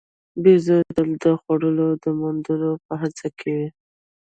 بیزو تل د خوړو د موندلو په هڅه کې وي.